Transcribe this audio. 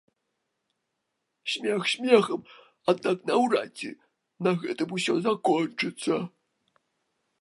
Смех смехам аднак наўрад ці на гэтым усё закончыцца.